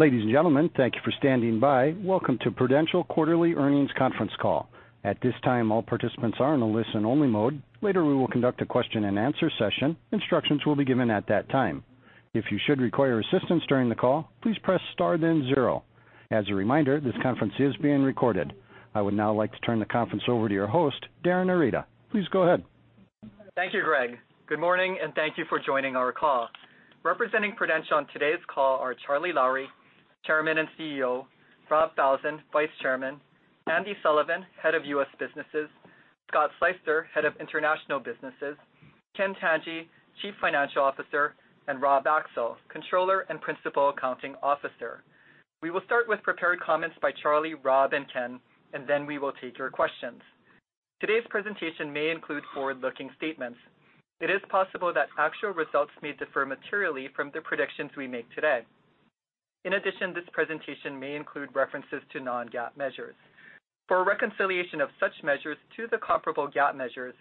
Ladies and gentlemen, thank you for standing by. Welcome to Prudential Quarterly Earnings Conference Call. At this time, all participants are in a listen-only mode. Later, we will conduct a question-and-answer session. Instructions will be given at that time. If you should require assistance during the call, please press star then zero. As a reminder, this conference is being recorded. I would now like to turn the conference over to your host, Darin Arita. Please go ahead. Thank you, Greg. Good morning, and thank you for joining our call. Representing Prudential on today's call are Charles Lowrey, Chairman and CEO, Robert Falzon, Vice Chairman, Andrew Sullivan, Head of U.S. Businesses, Scott Sleyster, Head of International Businesses, Kenneth Tanji, Chief Financial Officer, and Robert Axel, Controller and Principal Accounting Officer. We will start with prepared comments by Charlie, Rob, and Ken, then we will take your questions. Today's presentation may include forward-looking statements. It is possible that actual results may differ materially from the predictions we make today. In addition, this presentation may include references to non-GAAP measures. For a reconciliation of such measures to the comparable GAAP measures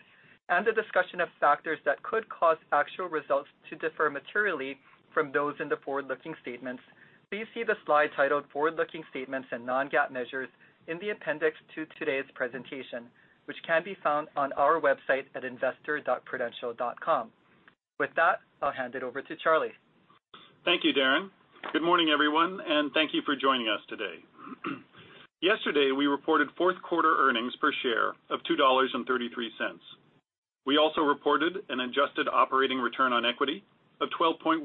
and a discussion of factors that could cause actual results to differ materially from those in the forward-looking statements, please see the slide titled "Forward-Looking Statements and Non-GAAP Measures" in the appendix to today's presentation, which can be found on our website at investor.prudential.com. With that, I'll hand it over to Charlie. Thank you, Darin. Good morning, everyone, and thank you for joining us today. Yesterday, we reported fourth quarter earnings per share of $2.33. We also reported an adjusted operating return on equity of 12.1%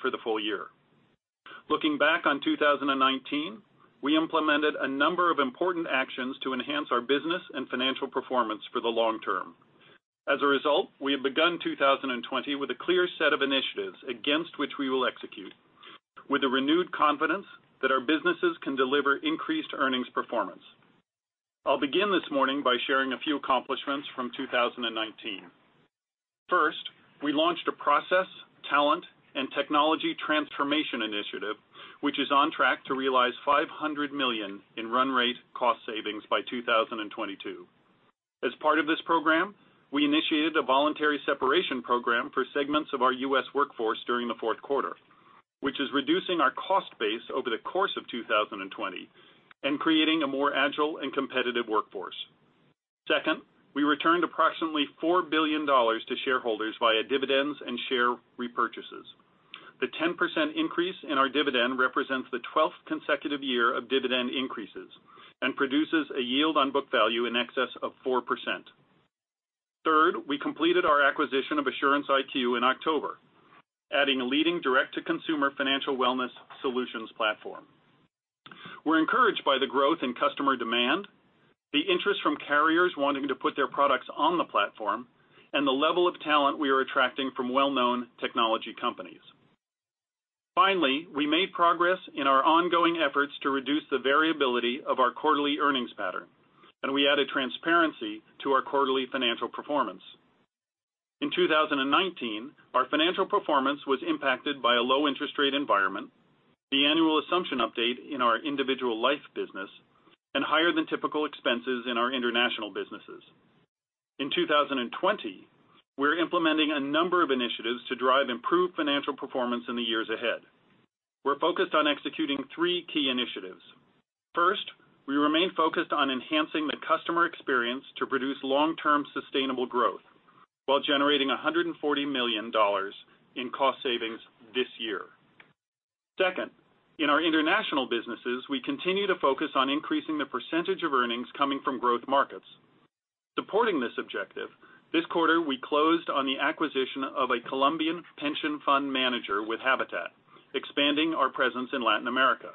for the full year. Looking back on 2019, we implemented a number of important actions to enhance our business and financial performance for the long term. As a result, we have begun 2020 with a clear set of initiatives against which we will execute with a renewed confidence that our businesses can deliver increased earnings performance. I'll begin this morning by sharing a few accomplishments from 2019. First, we launched a process, talent, and technology transformation initiative, which is on track to realize $500 million in run rate cost savings by 2022. As part of this program, we initiated a voluntary separation program for segments of our U.S. workforce during the fourth quarter, which is reducing our cost base over the course of 2020 and creating a more agile and competitive workforce. Second, we returned approximately $4 billion to shareholders via dividends and share repurchases. The 10% increase in our dividend represents the 12th consecutive year of dividend increases and produces a yield on book value in excess of 4%. Third, we completed our acquisition of Assurance IQ in October, adding a leading direct-to-consumer financial wellness solutions platform. We're encouraged by the growth in customer demand, the interest from carriers wanting to put their products on the platform, and the level of talent we are attracting from well-known technology companies. Finally, we made progress in our ongoing efforts to reduce the variability of our quarterly earnings pattern. We added transparency to our quarterly financial performance. In 2019, our financial performance was impacted by a low interest rate environment, the annual assumption update in our individual life business, and higher than typical expenses in our international businesses. In 2020, we're implementing a number of initiatives to drive improved financial performance in the years ahead. We're focused on executing three key initiatives. First, we remain focused on enhancing the customer experience to produce long-term sustainable growth while generating $140 million in cost savings this year. Second, in our international businesses, we continue to focus on increasing the percentage of earnings coming from growth markets. Supporting this objective, this quarter, we closed on the acquisition of a Colombian pension fund manager with Habitat, expanding our presence in Latin America.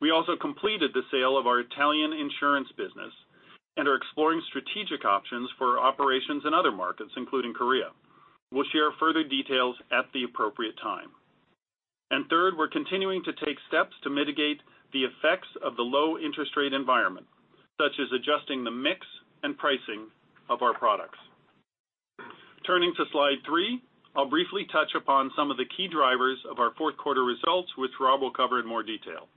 We also completed the sale of our Italian insurance business and are exploring strategic options for operations in other markets, including Korea. We'll share further details at the appropriate time. Third, we're continuing to take steps to mitigate the effects of the low interest rate environment, such as adjusting the mix and pricing of our products. Turning to slide three, I'll briefly touch upon some of the key drivers of our fourth quarter results, which Rob will cover in more detail.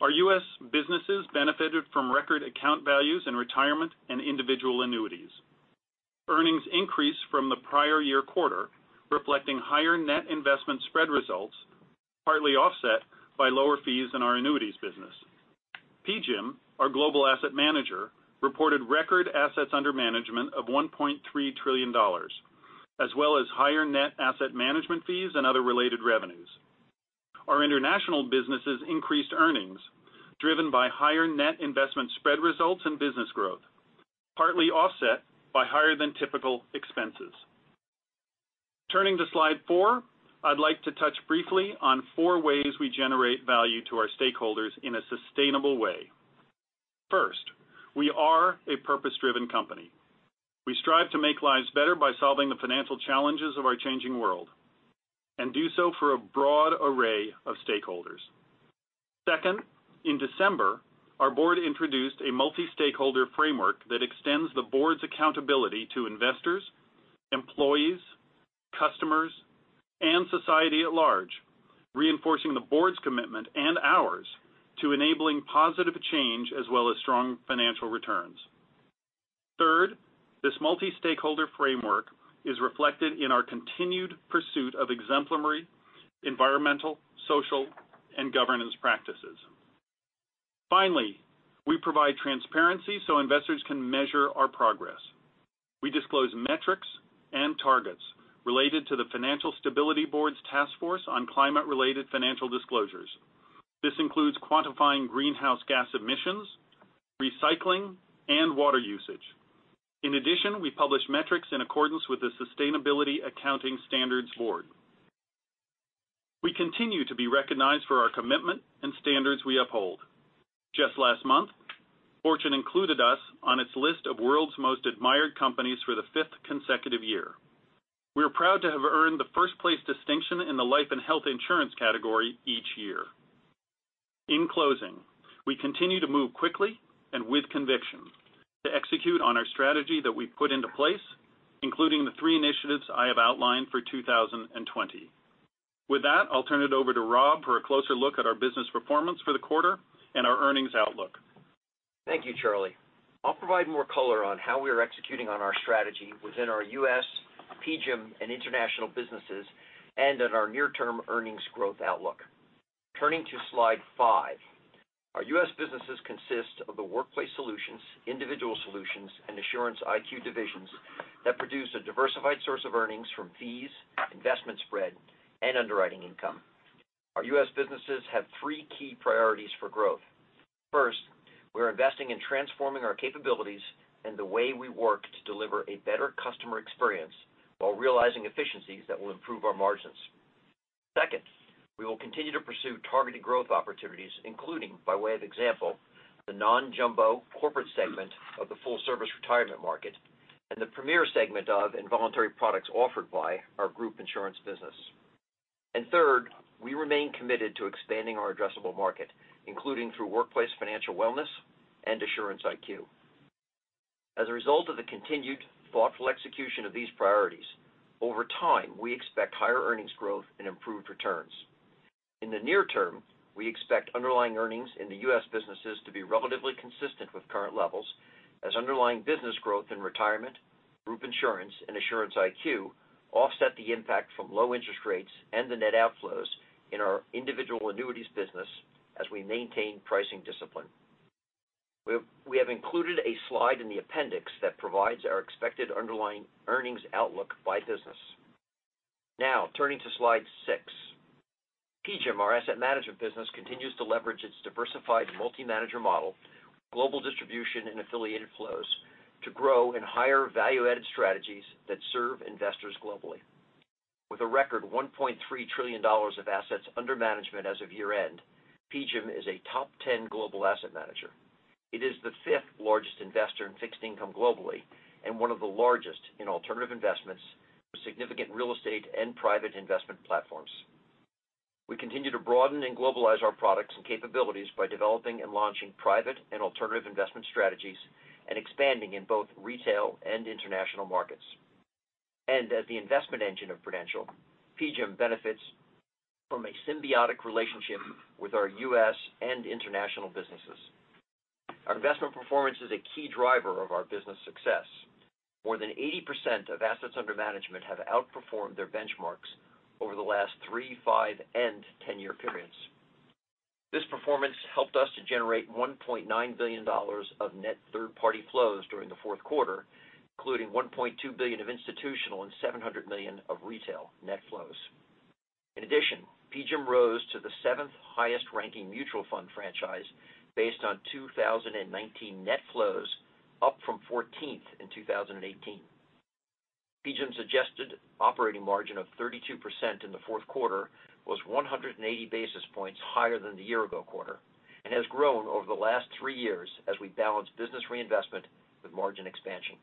Our U.S. businesses benefited from record account values in retirement and individual annuities. Earnings increased from the prior year quarter, reflecting higher net investment spread results, partly offset by lower fees in our annuities business. PGIM, our global asset manager, reported record assets under management of $1.3 trillion, as well as higher net asset management fees and other related revenues. Our international businesses increased earnings driven by higher net investment spread results and business growth, partly offset by higher than typical expenses. Turning to slide four, I'd like to touch briefly on four ways we generate value to our stakeholders in a sustainable way. First, we are a purpose-driven company. We strive to make lives better by solving the financial challenges of our changing world and do so for a broad array of stakeholders. Second, in December, our board introduced a multi-stakeholder framework that extends the board's accountability to investors, employees, customers, and society at large, reinforcing the board's commitment and ours to enabling positive change as well as strong financial returns. This multi-stakeholder framework is reflected in our continued pursuit of exemplary environmental, social, and governance practices. Finally, we provide transparency so investors can measure our progress. We disclose metrics and targets related to the Financial Stability Board's task force on climate-related financial disclosures. This includes quantifying greenhouse gas emissions, recycling, and water usage. In addition, we publish metrics in accordance with the Sustainability Accounting Standards Board. We continue to be recognized for our commitment and standards we uphold. Just last month, Fortune included us on its list of World's Most Admired Companies for the fifth consecutive year. We are proud to have earned the first-place distinction in the life and health insurance category each year. In closing, we continue to move quickly and with conviction to execute on our strategy that we've put into place, including the three initiatives I have outlined for 2020. With that, I'll turn it over to Rob for a closer look at our business performance for the quarter and our earnings outlook. Thank you, Charlie. I'll provide more color on how we are executing on our strategy within our U.S., PGIM, and international businesses, and on our near-term earnings growth outlook. Turning to slide five. Our U.S. businesses consist of the Workplace Solutions, Individual Solutions, and Assurance IQ divisions that produce a diversified source of earnings from fees, investment spread, and underwriting income. Our U.S. businesses have three key priorities for growth. First, we're investing in transforming our capabilities and the way we work to deliver a better customer experience while realizing efficiencies that will improve our margins. Second, we will continue to pursue targeted growth opportunities, including, by way of example, the non-jumbo corporate segment of the full-service retirement market and the premier segment of involuntary products offered by our group insurance business. Third, we remain committed to expanding our addressable market, including through workplace financial wellness and Assurance IQ. As a result of the continued thoughtful execution of these priorities, over time, we expect higher earnings growth and improved returns. In the near term, we expect underlying earnings in the U.S. businesses to be relatively consistent with current levels as underlying business growth in retirement, group insurance, and Assurance IQ offset the impact from low interest rates and the net outflows in our individual annuities business as we maintain pricing discipline. We have included a slide in the appendix that provides our expected underlying earnings outlook by business. Now, turning to slide six. PGIM, our asset management business, continues to leverage its diversified multi-manager model, global distribution, and affiliated flows to grow in higher value-added strategies that serve investors globally. With a record $1.3 trillion of assets under management as of year-end, PGIM is a top 10 global asset manager. It is the fifth largest investor in fixed income globally and one of the largest in alternative investments with significant real estate and private investment platforms. We continue to broaden and globalize our products and capabilities by developing and launching private and alternative investment strategies and expanding in both retail and international markets. As the investment engine of Prudential, PGIM benefits from a symbiotic relationship with our U.S. and international businesses. Our investment performance is a key driver of our business success. More than 80% of assets under management have outperformed their benchmarks over the last three, five, and 10-year periods. This performance helped us to generate $1.9 billion of net third-party flows during the fourth quarter, including $1.2 billion of institutional and $700 million of retail net flows. In addition, PGIM rose to the seventh highest-ranking mutual fund franchise based on 2019 net flows, up from 14th in 2018. PGIM's adjusted operating margin of 32% in the fourth quarter was 180 basis points higher than the year-ago quarter and has grown over the last three years as we balance business reinvestment with margin expansion.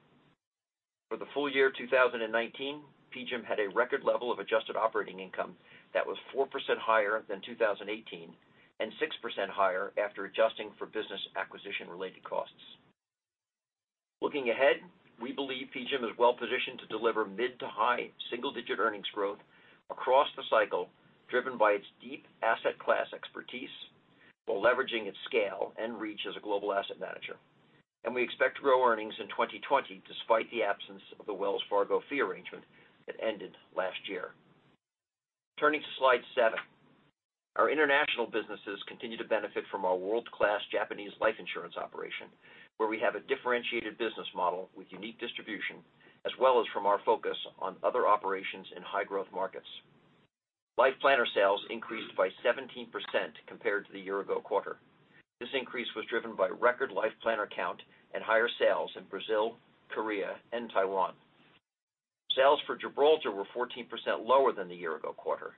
For the full year 2019, PGIM had a record level of adjusted operating income that was 4% higher than 2018 and 6% higher after adjusting for business acquisition-related costs. We believe PGIM is well-positioned to deliver mid to high single-digit earnings growth across the cycle driven by its deep asset class expertise while leveraging its scale and reach as a global asset manager. We expect to grow earnings in 2020 despite the absence of the Wells Fargo fee arrangement that ended last year. Turning to slide seven. Our international businesses continue to benefit from our world-class Japanese life insurance operation, where we have a differentiated business model with unique distribution, as well as from our focus on other operations in high-growth markets. Life Planner sales increased by 17% compared to the year-ago quarter. This increase was driven by record Life Planner count and higher sales in Brazil, Korea, and Taiwan. Sales for Gibraltar were 14% lower than the year-ago quarter.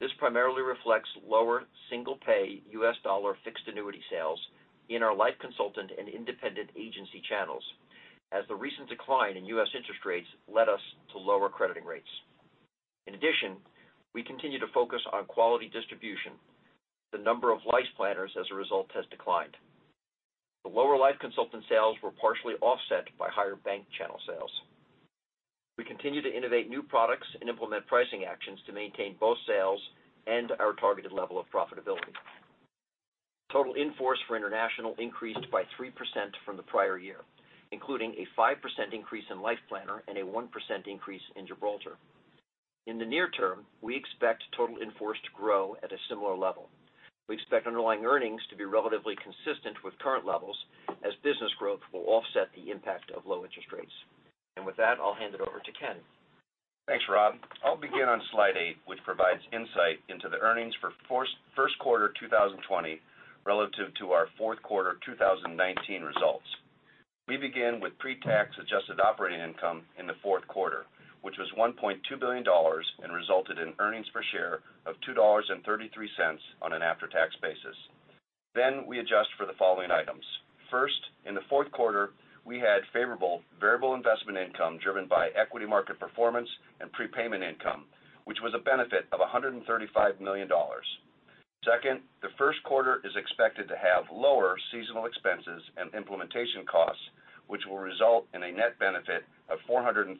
This primarily reflects lower single-pay U.S. dollar fixed annuity sales in our life consultant and independent agency channels, as the recent decline in U.S. interest rates led us to lower crediting rates. In addition, we continue to focus on quality distribution. The number of Life Planners as a result has declined. The lower life consultant sales were partially offset by higher bank channel sales. We continue to innovate new products and implement pricing actions to maintain both sales and our targeted level of profitability. Total in-force for international increased by 3% from the prior year, including a 5% increase in Life Planner and a 1% increase in Gibraltar. In the near term, we expect total in-force to grow at a similar level. We expect underlying earnings to be relatively consistent with current levels as business growth will offset the impact of low interest rates. With that, I'll hand it over to Ken. Thanks, Rob. I'll begin on slide eight, which provides insight into the earnings for first quarter 2020 relative to our fourth quarter 2019 results. We begin with pre-tax adjusted operating income in the fourth quarter, which was $1.2 billion and resulted in earnings per share of $2.33 on an after-tax basis. We adjust for the following items. First, in the fourth quarter, we had favorable variable investment income driven by equity market performance and prepayment income, which was a benefit of $135 million. Second, the first quarter is expected to have lower seasonal expenses and implementation costs, which will result in a net benefit of $435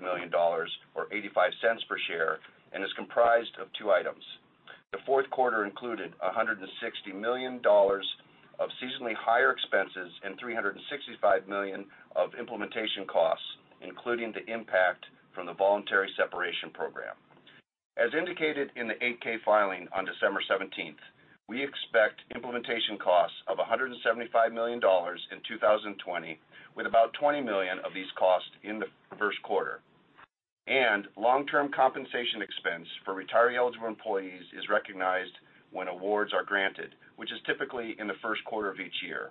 million or $0.85 per share and is comprised of two items. The fourth quarter included $160 million of seasonally higher expenses and $365 million of implementation costs, including the impact from the voluntary separation program. As indicated in the 8-K filing on December 17th, we expect implementation costs of $175 million in 2020, with about $20 million of these costs in the first quarter. Long-term compensation expense for retiree-eligible employees is recognized when awards are granted, which is typically in the first quarter of each year.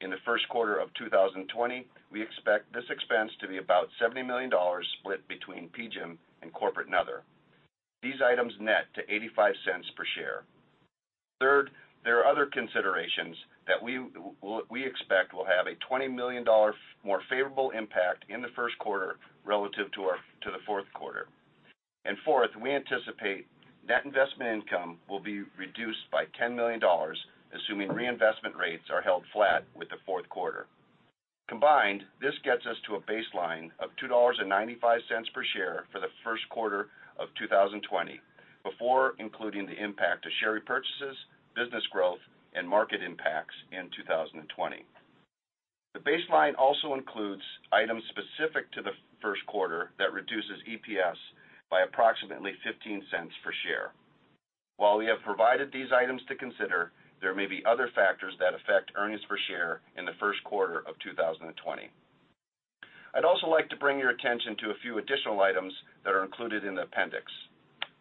In the first quarter of 2020, we expect this expense to be about $70 million split between PGIM and Corporate and Other. These items net to $0.85 per share. Third, there are other considerations that we expect will have a $20 million more favorable impact in the first quarter relative to the fourth quarter. Fourth, we anticipate net investment income will be reduced by $10 million, assuming reinvestment rates are held flat with the fourth quarter. Combined, this gets us to a baseline of $2.95 per share for the first quarter of 2020, before including the impact of share repurchases, business growth, and market impacts in 2020. The baseline also includes items specific to the first quarter that reduces EPS by approximately $0.15 per share. While we have provided these items to consider, there may be other factors that affect earnings per share in the first quarter of 2020. I'd also like to bring your attention to a few additional items that are included in the appendix.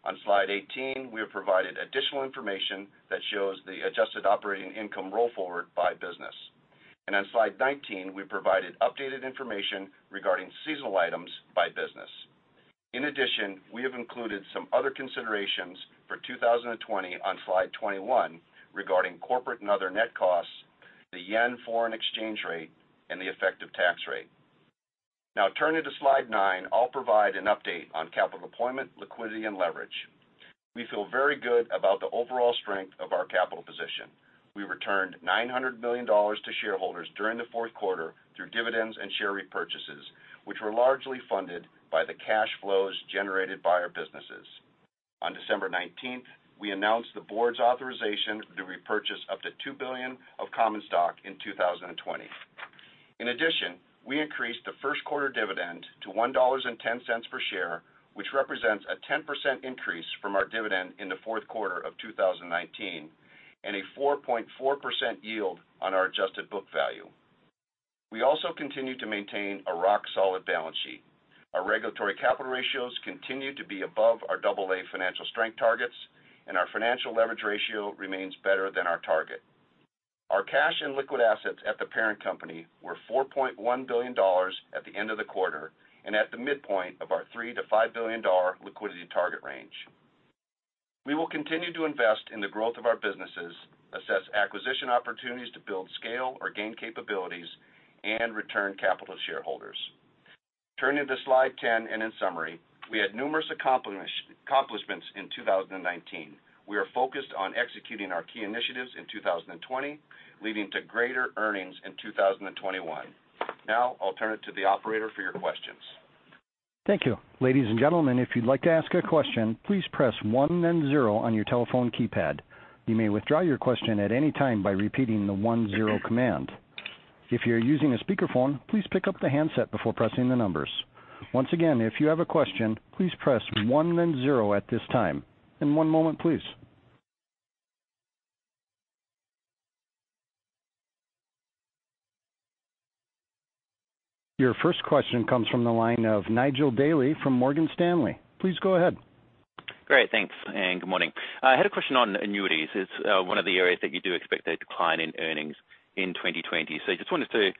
On slide 18, we have provided additional information that shows the adjusted operating income roll forward by business. On slide 19, we provided updated information regarding seasonal items by business. In addition, we have included some other considerations for 2020 on slide 21 regarding Corporate and Other net costs, the yen foreign exchange rate, and the effective tax rate. Turning to slide 9, I'll provide an update on capital deployment, liquidity, and leverage. We feel very good about the overall strength of our capital position. We returned $900 million to shareholders during the fourth quarter through dividends and share repurchases, which were largely funded by the cash flows generated by our businesses. On December 19th, we announced the board's authorization to repurchase up to $2 billion of common stock in 2020. In addition, we increased the first quarter dividend to $1.10 per share, which represents a 10% increase from our dividend in the fourth quarter of 2019 and a 4.4% yield on our adjusted book value. We also continue to maintain a rock-solid balance sheet. Our regulatory capital ratios continue to be above our double A financial strength targets, our financial leverage ratio remains better than our target. Our cash and liquid assets at the parent company were $4.1 billion at the end of the quarter and at the midpoint of our $3 billion-$5 billion liquidity target range. We will continue to invest in the growth of our businesses, assess acquisition opportunities to build scale or gain capabilities, and return capital to shareholders. Turning to slide 10 and in summary, we had numerous accomplishments in 2019. We are focused on executing our key initiatives in 2020, leading to greater earnings in 2021. I'll turn it to the operator for your questions. Thank you. Ladies and gentlemen, if you'd like to ask a question, please press 1 and 0 on your telephone keypad. You may withdraw your question at any time by repeating the 1-0 command. If you're using a speakerphone, please pick up the handset before pressing the numbers. Once again, if you have a question, please press 1 then 0 at this time. In 1 moment, please. Your first question comes from the line of Nigel Daly from Morgan Stanley. Please go ahead. Great. Thanks, and good morning. I had a question on annuities. It's 1 of the areas that you do expect a decline in earnings in 2020. I just wanted to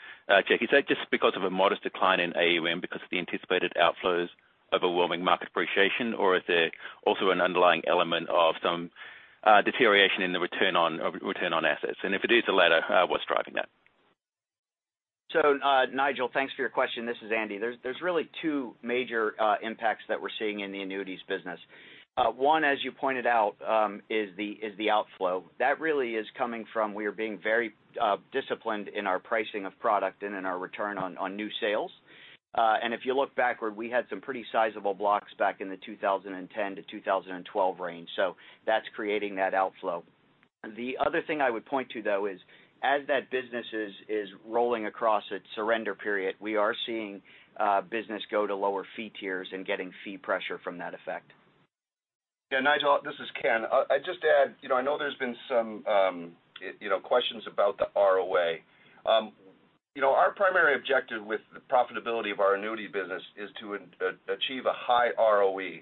check, is that just because of a modest decline in AUM because of the anticipated outflows overwhelming market appreciation? Is there also an underlying element of some deterioration in the return on assets? If it is the latter, what's driving that? Nigel, thanks for your question. This is Andy. There's really 2 major impacts that we're seeing in the annuities business. 1, as you pointed out, is the outflow. That really is coming from we are being very disciplined in our pricing of product and in our return on new sales. If you look backward, we had some pretty sizable blocks back in the 2010 to 2012 range. That's creating that outflow. The other thing I would point to, though, is as that business is rolling across its surrender period, we are seeing business go to lower fee tiers and getting fee pressure from that effect. Yeah, Nigel, this is Ken. I'd just add, I know there's been some questions about the ROA. Our primary objective with the profitability of our annuity business is to achieve a high ROE.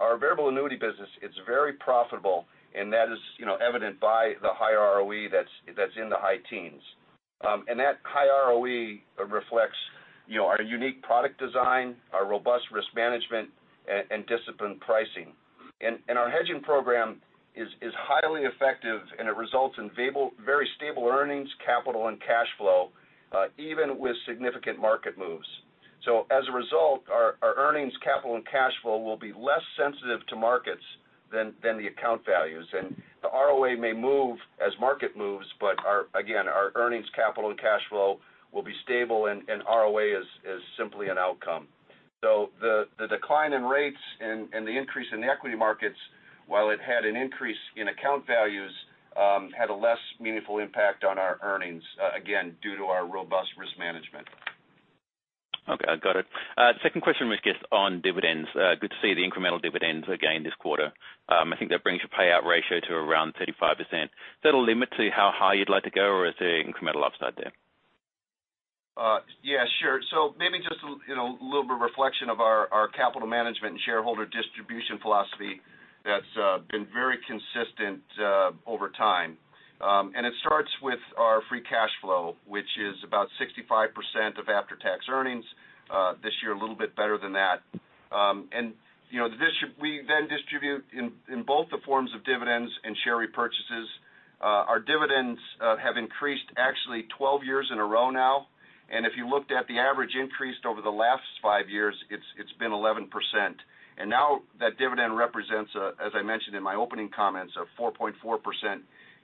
Our variable annuity business, it's very profitable, and that is evident by the higher ROE that's in the high teens. That high ROE reflects our unique product design, our robust risk management, and disciplined pricing. Our hedging program is highly effective, and it results in very stable earnings, capital, and cash flow even with significant market moves. As a result, our earnings, capital, and cash flow will be less sensitive to markets than the account values. The ROA may move as market moves, but again, our earnings, capital, and cash flow will be stable, and ROA is simply an outcome. The decline in rates and the increase in the equity markets, while it had an increase in account values, had a less meaningful impact on our earnings, again, due to our robust risk management. Okay. Got it. The second question was just on dividends. Good to see the incremental dividends again this quarter. I think that brings your payout ratio to around 35%. Is that a limit to how high you'd like to go, or is there incremental upside there? Yeah, sure. Maybe just a little bit of reflection of our capital management and shareholder distribution philosophy that's been very consistent over time. It starts with our free cash flow, which is about 65% of after-tax earnings. This year, a little bit better than that. We then distribute in both the forms of dividends and share repurchases. Our dividends have increased actually 12 years in a row now. If you looked at the average increase over the last five years, it's been 11%. Now that dividend represents, as I mentioned in my opening comments, a 4.4%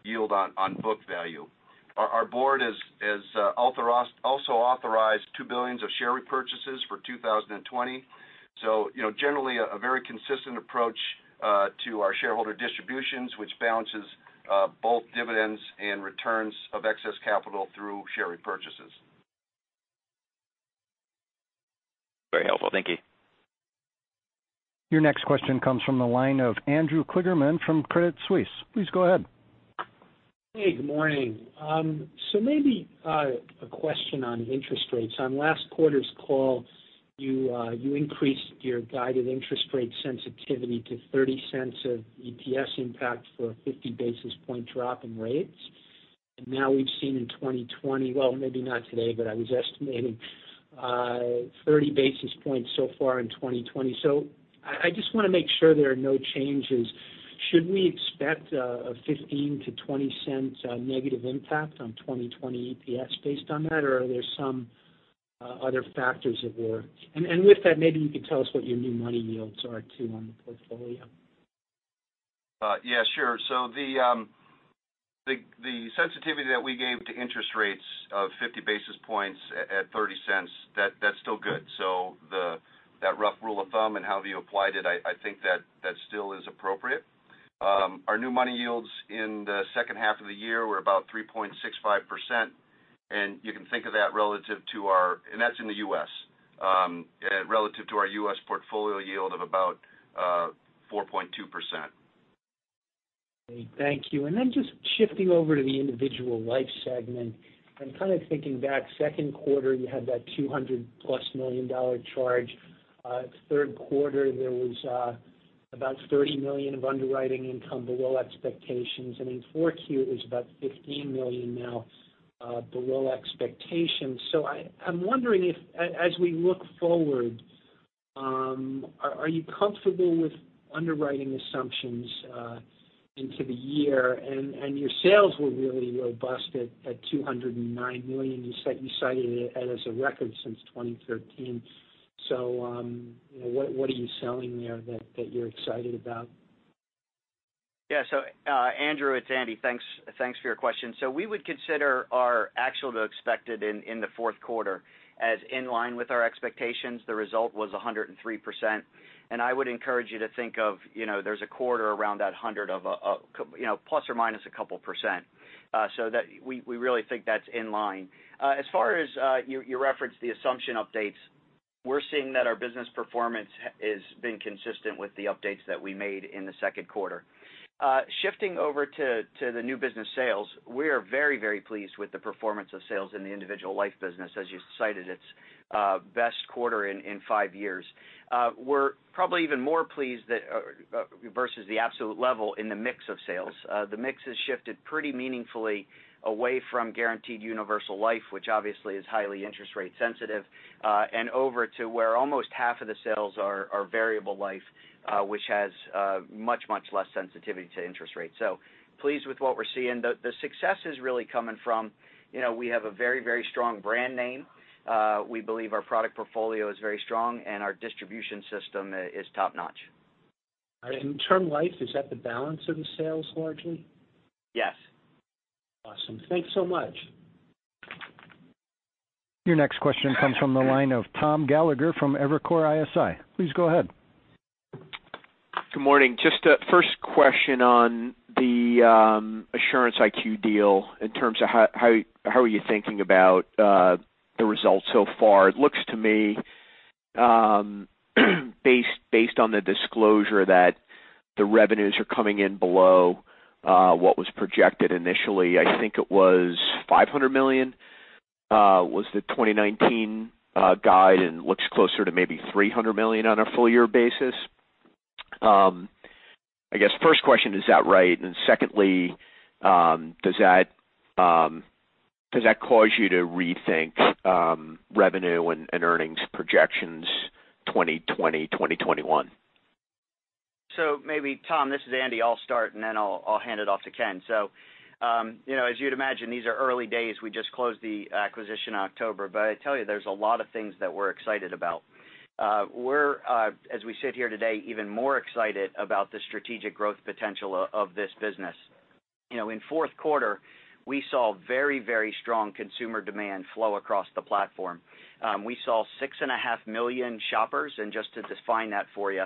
yield on book value. Our board has also authorized $2 billion of share repurchases for 2020. Generally, a very consistent approach to our shareholder distributions, which balances both dividends and returns of excess capital through share repurchases. Very helpful. Thank you. Your next question comes from the line of Andrew Kligerman from Credit Suisse. Please go ahead. Hey, good morning. Maybe a question on interest rates. On last quarter's call, you increased your guided interest rate sensitivity to $0.30 of EPS impact for a 50-basis-point drop in rates. Now we've seen in 2020, well, maybe not today, but I was estimating 30 basis points so far in 2020. I just want to make sure there are no changes. Should we expect a $0.15-$0.20 negative impact on 2020 EPS based on that, or are there some other factors at work? With that, maybe you could tell us what your new money yields are too on the portfolio. Yeah, sure. The sensitivity that we gave to interest rates of 50 basis points at $0.30, that's still good. That rough rule of thumb and how you applied it, I think that still is appropriate. Our new money yields in the second half of the year were about 3.65%, and you can think of that relative to our, and that's in the U.S., relative to our U.S. portfolio yield of about 4.2%. Okay. Thank you. Just shifting over to the individual life segment. I'm kind of thinking back, second quarter, you had that $200-plus million charge. Third quarter, there was about $30 million of underwriting income below expectations. In 4Q, it was about $15 million now below expectations. I'm wondering if, as we look forward, are you comfortable with underwriting assumptions into the year? Your sales were really robust at $209 million. You cited it as a record since 2013. What are you selling there that you're excited about? Andrew, it's Andy. Thanks for your question. We would consider our actual to expected in the fourth quarter as in line with our expectations. The result was 103%. I would encourage you to think of, there's a quarter around that 100% plus or minus a couple percent. We really think that's in line. As far as you referenced the assumption updates, we're seeing that our business performance has been consistent with the updates that we made in the second quarter. Shifting over to the new business sales, we are very pleased with the performance of sales in the individual life business. As you cited, its best quarter in five years. We're probably even more pleased versus the absolute level in the mix of sales. The mix has shifted pretty meaningfully away from Guaranteed Universal Life, which obviously is highly interest rate sensitive, and over to where almost half of the sales are Variable Life which has much less sensitivity to interest rates. Pleased with what we're seeing. The success is really coming from. We have a very strong brand name. We believe our product portfolio is very strong, and our distribution system is top-notch. In term life, is that the balance of the sales largely? Yes. Awesome. Thanks so much. Your next question comes from the line of Thomas Gallagher from Evercore ISI. Please go ahead. Good morning. Just a first question on the Assurance IQ deal in terms of how are you thinking about the results so far. It looks to me, based on the disclosure, that the revenues are coming in below what was projected initially. I think it was $500 million was the 2019 guide, and it looks closer to maybe $300 million on a full-year basis. I guess, first question, is that right? Then secondly, does that cause you to rethink revenue and earnings projections 2020, 2021? Maybe, Tom, this is Andy, I'll start and then I'll hand it off to Ken. As you'd imagine, these are early days. We just closed the acquisition in October. I tell you, there's a lot of things that we're excited about. We're, as we sit here today, even more excited about the strategic growth potential of this business. In fourth quarter, we saw very strong consumer demand flow across the platform. We saw 6.5 million shoppers, and just to define that for you,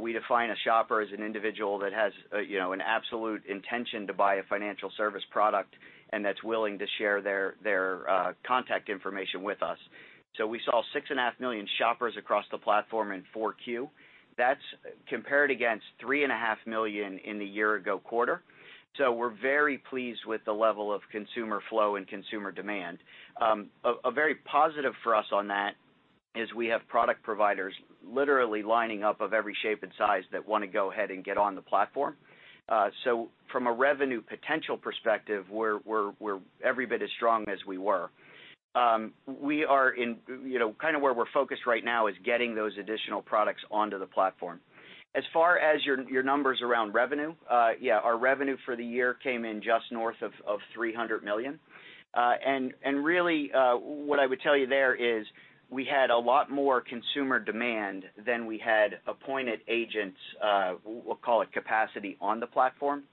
we define a shopper as an individual that has an absolute intention to buy a financial service product and that's willing to share their contact information with us. We saw 6.5 million shoppers across the platform in 4Q. That's compared against 3.5 million in the year-ago quarter. We're very pleased with the level of consumer flow and consumer demand. A very positive for us on that is we have product providers literally lining up of every shape and size that want to go ahead and get on the platform. From a revenue potential perspective, we're every bit as strong as we were. Kind of where we're focused right now is getting those additional products onto the platform. As far as your numbers around revenue, yeah, our revenue for the year came in just north of $300 million. Really, what I would tell you there is we had a lot more consumer demand than we had appointed agents, we'll call it capacity on the platform.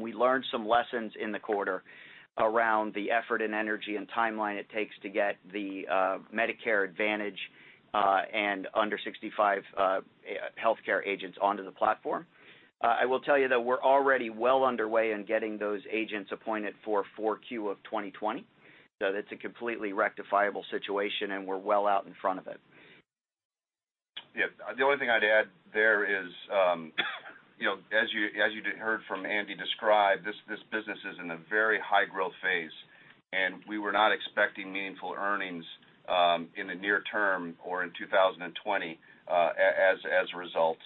We learned some lessons in the quarter around the effort and energy and timeline it takes to get the Medicare Advantage and under 65 healthcare agents onto the platform. I will tell you that we're already well underway in getting those agents appointed for 4Q of 2020. That's a completely rectifiable situation, and we're well out in front of it. Yeah. The only thing I'd add there is, as you heard from Andy describe, this business is in a very high-growth phase, and we were not expecting meaningful earnings in the near term or in 2020 as a result.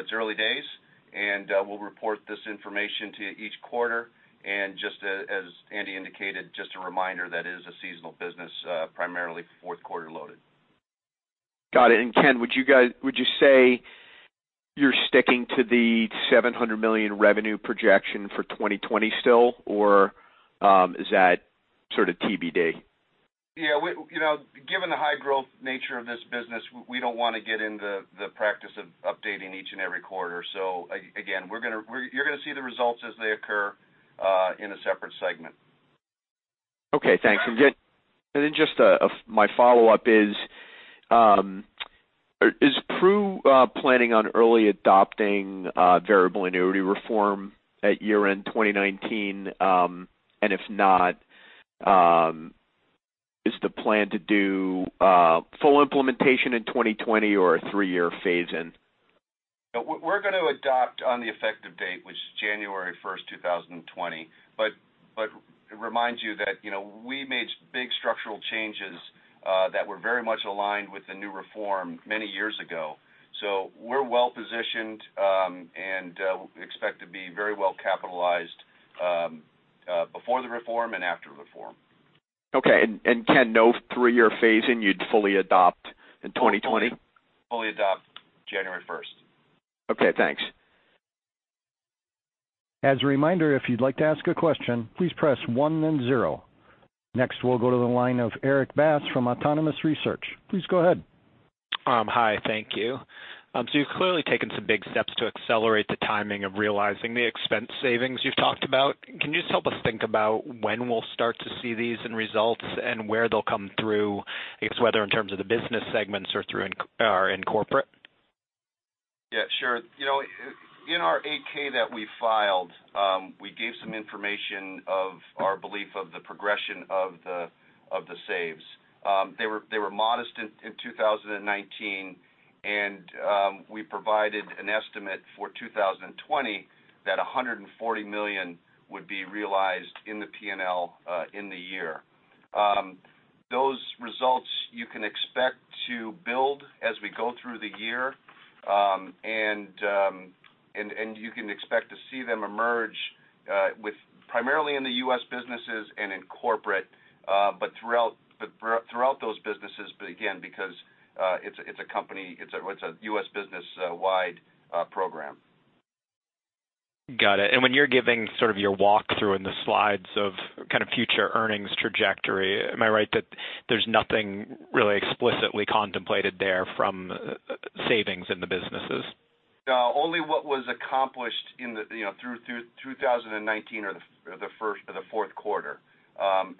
It's early days, and we'll report this information to you each quarter. Just as Andy indicated, just a reminder, that is a seasonal business, primarily fourth quarter loaded. Got it. Ken, would you say you're sticking to the $700 million revenue projection for 2020 still, or is that sort of TBD? Yeah. Given the high-growth nature of this business, we don't want to get into the practice of updating each and every quarter. Again, you're going to see the results as they occur in a separate segment. Okay, thanks. Just my follow-up is Pru planning on early adopting variable annuity reform at year-end 2019? If not, is the plan to do full implementation in 2020 or a three-year phase-in? We're going to adopt on the effective date, which is January 1st, 2020. Remind you that we made big structural changes that were very much aligned with the new reform many years ago. We're well-positioned and expect to be very well capitalized before the reform and after reform. Okay. Ken, no three-year phase-in? You'd fully adopt in 2020? Fully adopt January 1st. Okay, thanks. As a reminder, if you'd like to ask a question, please press one then zero. Next, we'll go to the line of Erik Bass from Autonomous Research. Please go ahead. Hi, thank you. You've clearly taken some big steps to accelerate the timing of realizing the expense savings you've talked about. Can you just help us think about when we'll start to see these in results and where they'll come through, I guess whether in terms of the business segments or in corporate? Yeah, sure. In our 8-K that we filed, we gave some information of our belief of the progression of the saves. They were modest in 2019, and we provided an estimate for 2020 that $140 million would be realized in the P&L in the year. Those results you can expect to build as we go through the year. You can expect to see them emerge primarily in the U.S. businesses and in corporate, but throughout those businesses, again, because it's a U.S. business-wide program. Got it. When you're giving sort of your walkthrough in the slides of kind of future earnings trajectory, am I right that there's nothing really explicitly contemplated there from savings in the businesses? No, only what was accomplished through 2019 or the fourth quarter.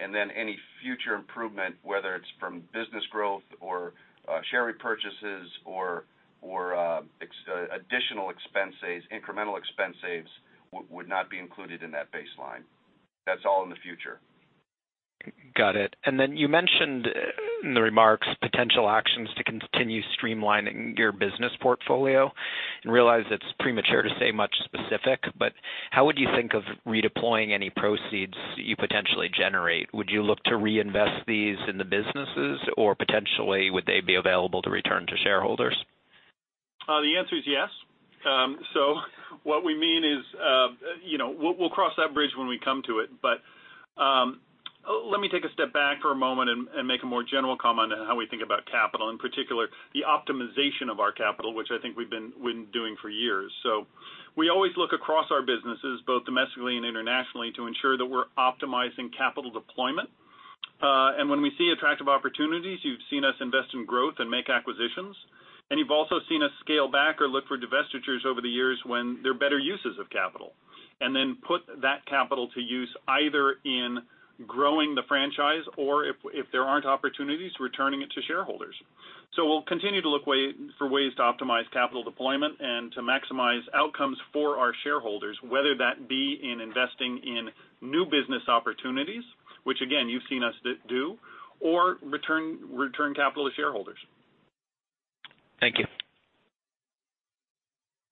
Any future improvement, whether it's from business growth or share repurchases or additional incremental expense saves, would not be included in that baseline. That's all in the future. Got it. You mentioned in the remarks potential actions to continue streamlining your business portfolio, and realize it's premature to say much specific, but how would you think of redeploying any proceeds that you potentially generate? Would you look to reinvest these in the businesses or potentially would they be available to return to shareholders? The answer is yes. What we mean is we'll cross that bridge when we come to it. Let me take a step back for a moment and make a more general comment on how we think about capital, in particular, the optimization of our capital, which I think we've been doing for years. We always look across our businesses, both domestically and internationally, to ensure that we're optimizing capital deployment. When we see attractive opportunities, you've seen us invest in growth and make acquisitions, and you've also seen us scale back or look for divestitures over the years when there are better uses of capital, and then put that capital to use either in growing the franchise or if there aren't opportunities, returning it to shareholders. We'll continue to look for ways to optimize capital deployment and to maximize outcomes for our shareholders, whether that be in investing in new business opportunities, which again, you've seen us do, or return capital to shareholders. Thank you.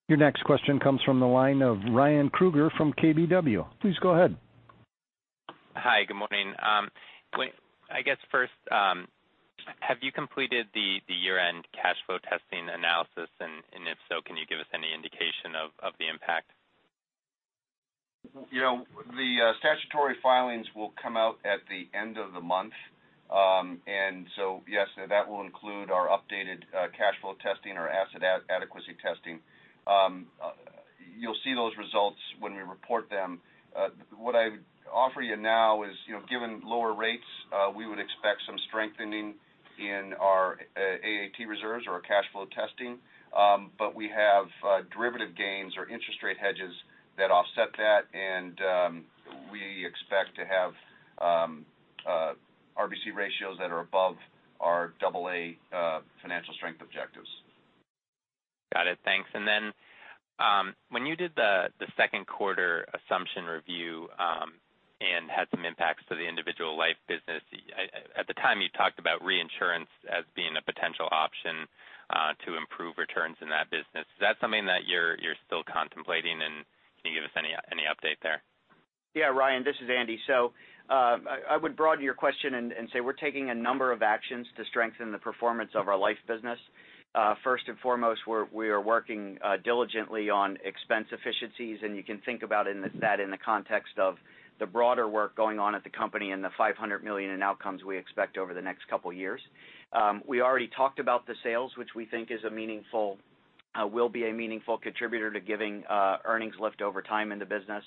Your next question comes from the line of Ryan Krueger from KBW. Please go ahead. Hi, good morning. I guess first, have you completed the year-end cash flow testing analysis, and if so, can you give us any indication of the impact? The statutory filings will come out at the end of the month. Yes, that will include our updated cash flow testing, our asset adequacy testing. You'll see those results when we report them. What I'd offer you now is, given lower rates, we would expect some strengthening in our AAT reserves or our cash flow testing. We have derivative gains or interest rate hedges that offset that, and we expect to have RBC ratios that are above our AA financial strength objectives. Got it. Thanks. Then, when you did the second quarter assumption review and had some impacts to the individual life business, at the time, you talked about reinsurance as being a potential option to improve returns in that business. Is that something that you're still contemplating, and can you give us any update there? Ryan, this is Andy. I would broaden your question and say we're taking a number of actions to strengthen the performance of our life business. First and foremost, we are working diligently on expense efficiencies, and you can think about that in the context of the broader work going on at the company and the $500 million in outcomes we expect over the next couple of years. We already talked about the sales, which we think will be a meaningful contributor to giving earnings lift over time in the business.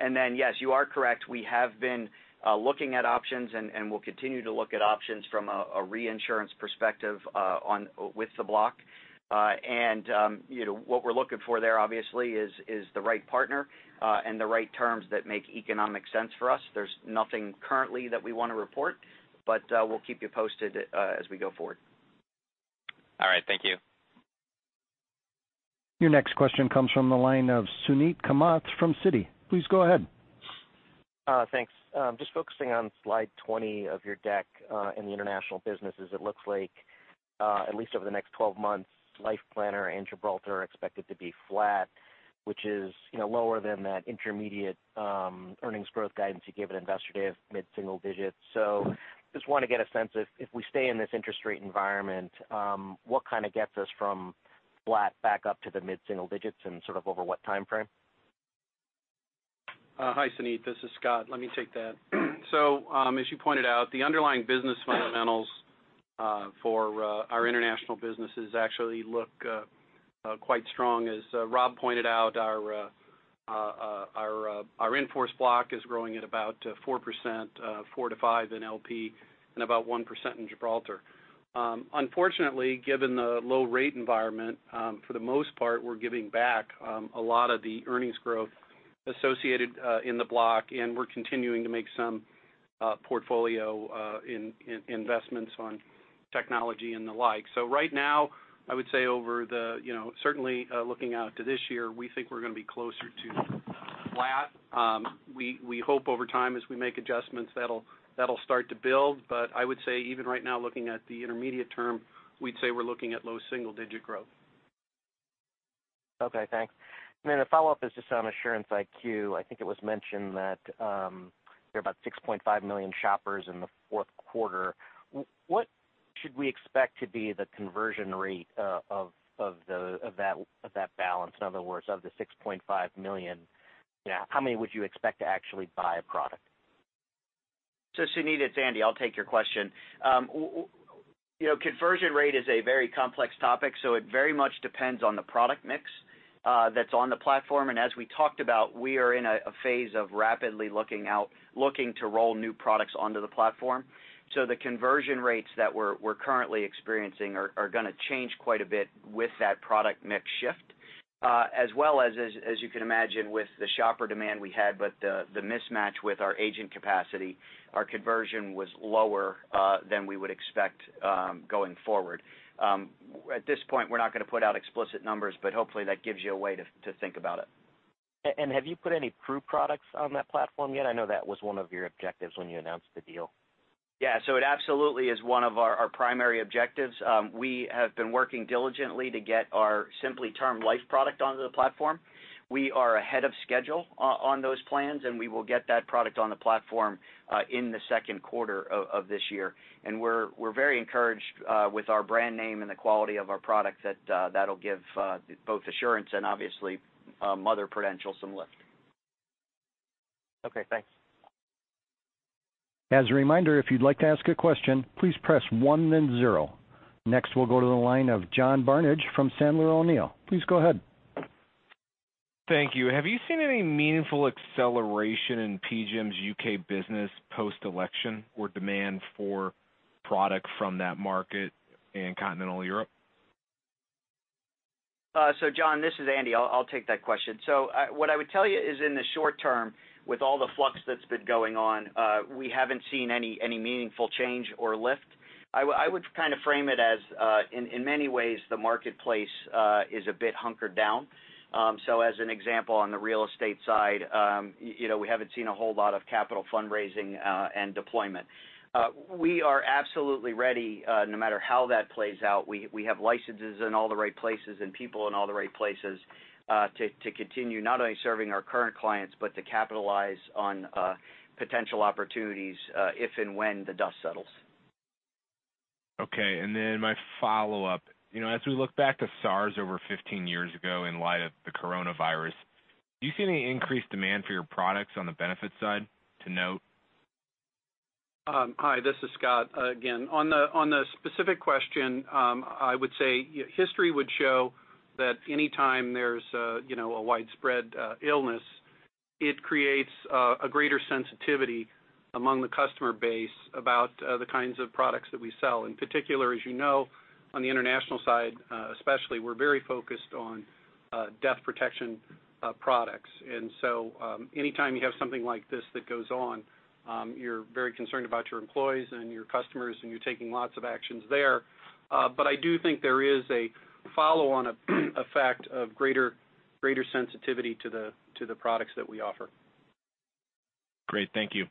Yes, you are correct. We have been looking at options and will continue to look at options from a reinsurance perspective with the block. What we're looking for there obviously is the right partner and the right terms that make economic sense for us. There's nothing currently that we want to report. We'll keep you posted as we go forward. All right. Thank you. Your next question comes from the line of Suneet Kamath from Citi. Please go ahead. Thanks. Just focusing on slide 20 of your deck in the International Businesses, it looks like, at least over the next 12 months, Life Planner and Gibraltar are expected to be flat, which is lower than that intermediate earnings growth guidance you gave at Investor Day of mid-single digits. Just want to get a sense of, if we stay in this interest rate environment, what kind of gets us from flat back up to the mid-single digits and sort of over what time frame? Hi, Suneet. This is Scott. Let me take that. As you pointed out, the underlying business fundamentals for our International Businesses actually look quite strong. As Rob pointed out, our in-force block is growing at about 4%, 4%-5% in LP, and about 1% in Gibraltar. Unfortunately, given the low rate environment, for the most part, we're giving back a lot of the earnings growth associated in the block, and we're continuing to make some portfolio investments on technology and the like. Right now, I would say certainly looking out to this year, we think we're going to be closer to flat. We hope over time as we make adjustments, that'll start to build. I would say even right now, looking at the intermediate term, we'd say we're looking at low single-digit growth. A follow-up is just on Assurance IQ. I think it was mentioned that there are about 6.5 million shoppers in the fourth quarter. What should we expect to be the conversion rate of that balance? In other words, of the 6.5 million, how many would you expect to actually buy a product? Suneet, it's Andy. I'll take your question. Conversion rate is a very complex topic. It very much depends on the product mix that's on the platform. As we talked about, we are in a phase of rapidly looking to roll new products onto the platform. The conversion rates that we're currently experiencing are going to change quite a bit with that product mix shift. As well as you can imagine, with the shopper demand we had, but the mismatch with our agent capacity, our conversion was lower than we would expect going forward. At this point, we're not going to put out explicit numbers, but hopefully that gives you a way to think about it. Have you put any Pru products on that platform yet? I know that was one of your objectives when you announced the deal. Yeah. It absolutely is one of our primary objectives. We have been working diligently to get our SimplyTerm life product onto the platform. We are ahead of schedule on those plans, and we will get that product on the platform in the second quarter of this year. We're very encouraged with our brand name and the quality of our product that that'll give both Assurance and obviously Mother Prudential some lift. Okay, thanks. As a reminder, if you'd like to ask a question, please press one then zero. Next, we'll go to the line of John Barnidge from Sandler O'Neill. Please go ahead. Thank you. Have you seen any meaningful acceleration in PGIM's U.K. business post-election or demand for product from that market in continental Europe? John, this is Andy. I'll take that question. What I would tell you is in the short term, with all the flux that's been going on, we haven't seen any meaningful change or lift. I would kind of frame it as in many ways, the marketplace is a bit hunkered down. As an example, on the real estate side we haven't seen a whole lot of capital fundraising and deployment. We are absolutely ready no matter how that plays out. We have licenses in all the right places and people in all the right places to continue not only serving our current clients, but to capitalize on potential opportunities if and when the dust settles. Okay, my follow-up. As we look back to SARS over 15 years ago in light of the coronavirus, do you see any increased demand for your products on the benefits side to note? Hi, this is Scott again. On the specific question, I would say history would show that anytime there's a widespread illness, it creates a greater sensitivity among the customer base about the kinds of products that we sell. In particular, as you know, on the international side especially, we're very focused on death protection products. Anytime you have something like this that goes on, you're very concerned about your employees and your customers, and you're taking lots of actions there. I do think there is a follow-on effect of greater sensitivity to the products that we offer. Great. Thank you.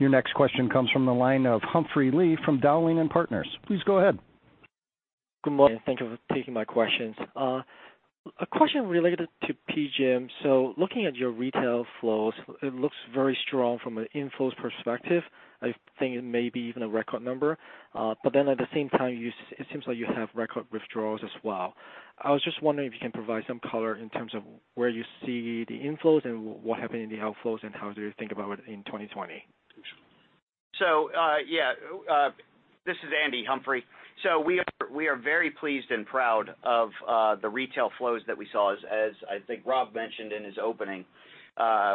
Your next question comes from the line of Humphrey Lee from Dowling & Partners. Please go ahead. Good morning. Thank you for taking my questions. A question related to PGIM. Looking at your retail flows, it looks very strong from an inflows perspective. I think it may be even a record number. At the same time, it seems like you have record withdrawals as well. I was just wondering if you can provide some color in terms of where you see the inflows and what happened in the outflows and how do you think about it in 2020? This is Andy, Humphrey. We are very pleased and proud of the retail flows that we saw, as I think Rob mentioned in his opening.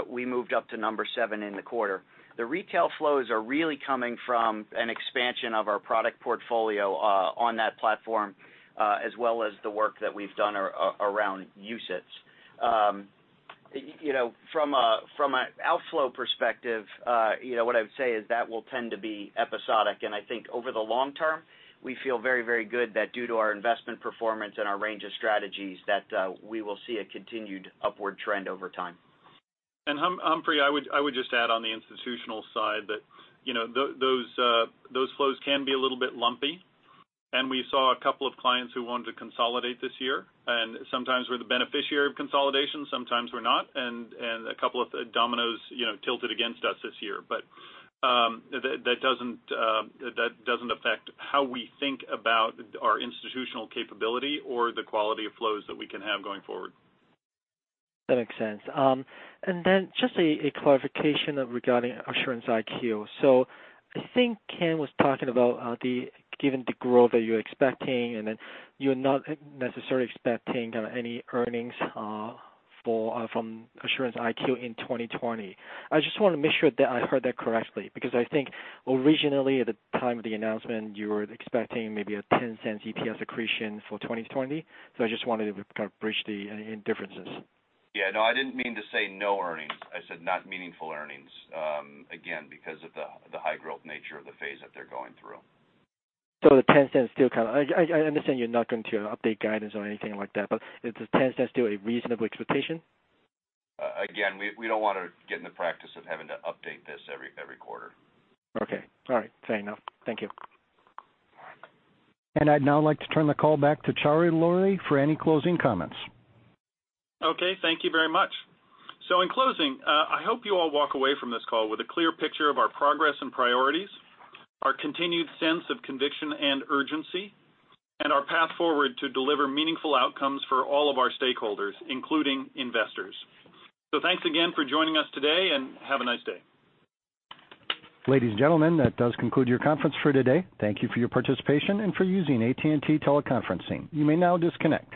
We moved up to number 7 in the quarter. The retail flows are really coming from an expansion of our product portfolio on that platform, as well as the work that we've done around usage. From an outflow perspective, what I would say is that will tend to be episodic, and I think over the long term, we feel very good that due to our investment performance and our range of strategies, that we will see a continued upward trend over time. Humphrey, I would just add on the institutional side that those flows can be a little bit lumpy, and we saw a couple of clients who wanted to consolidate this year. Sometimes we're the beneficiary of consolidation, sometimes we're not. A couple of dominoes tilted against us this year. That doesn't affect how we think about our institutional capability or the quality of flows that we can have going forward. That makes sense. Just a clarification regarding Assurance IQ. I think Ken was talking about given the growth that you're expecting, and then you're not necessarily expecting any earnings from Assurance IQ in 2020. I just want to make sure that I heard that correctly, because I think originally at the time of the announcement, you were expecting maybe a $0.10 EPS accretion for 2020. I just wanted to kind of bridge the differences. Yeah, no, I didn't mean to say no earnings. I said not meaningful earnings, again, because of the high growth nature of the phase that they're going through. The $0.10 still kind of I understand you're not going to update guidance or anything like that, but is the $0.10 still a reasonable expectation? Again, we don't want to get in the practice of having to update this every quarter. Okay. All right. Fair enough. Thank you. I'd now like to turn the call back to Charlie Lowrey for any closing comments. Okay. Thank you very much. In closing, I hope you all walk away from this call with a clear picture of our progress and priorities, our continued sense of conviction and urgency, and our path forward to deliver meaningful outcomes for all of our stakeholders, including investors. Thanks again for joining us today, and have a nice day. Ladies and gentlemen, that does conclude your conference for today. Thank you for your participation and for using AT&T Teleconferencing. You may now disconnect.